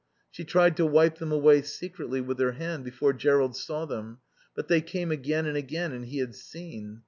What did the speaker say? She tried to wipe them away secretly with her hand before Jerrold saw them; but they came again and again and he had seen.